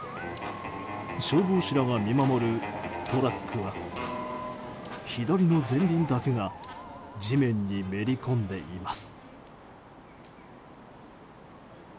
消防士らが見守るトラックは左の前輪だけが地面にめり込んでいます。